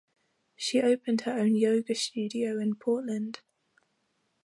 She opened her own yoga studio in Portland.